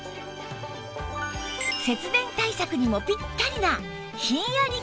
節電対策にもピッタリなひんやり